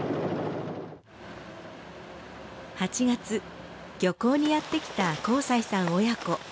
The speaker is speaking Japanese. ８月漁港にやってきた幸才さん親子。